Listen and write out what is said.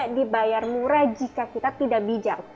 kita tidak dibayar murah jika kita tidak bijak